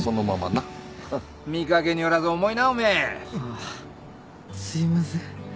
あすいません。